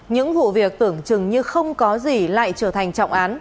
những vụ việc tưởng chừng như không có gì lại trở thành trọng án